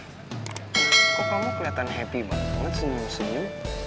kok kamu kelihatan happy banget senyum senyum